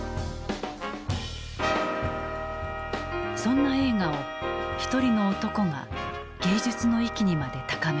そんな映画を一人の男が芸術の域にまで高める。